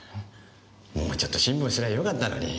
もうちょっと辛抱すりゃよかったのに。